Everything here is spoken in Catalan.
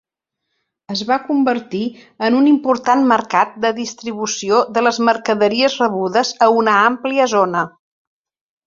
Es va convertir en un important mercat de distribució de les mercaderies rebudes a una àmplia zona.